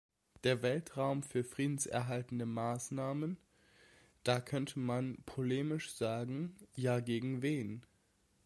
Der Weltraum für friedenserhaltende Maßnahmen, da könnte man polemisch sagen, ja gegen wen?